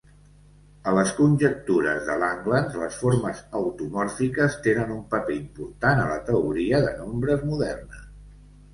A les conjectures de Langlands, les formes automòrfiques tenen un paper important a la teoria de nombres moderna.